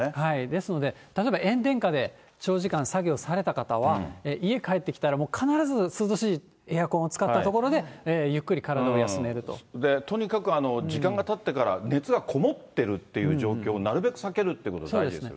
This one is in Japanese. ですので、例えば炎天下で長時間、作業をされた方は、家帰ってきたら、もう必ず涼しいエアコンを使った所で、ゆっくり体を休めると。とにかく時間がたってから熱がこもってるっていう状況をなるべく避けるということ、大事ですよね。